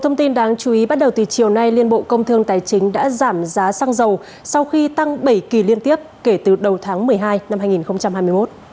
thông tin đáng chú ý bắt đầu từ chiều nay liên bộ công thương tài chính đã giảm giá xăng dầu sau khi tăng bảy kỳ liên tiếp kể từ đầu tháng một mươi hai năm hai nghìn hai mươi một